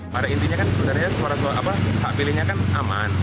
pada intinya kan sebenarnya suara hak pilihnya kan aman